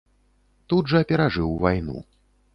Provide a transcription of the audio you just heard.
Тут жа перажыў вайну.